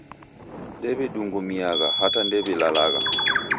Ndew'idungumiagha hata ndew'ilalagha.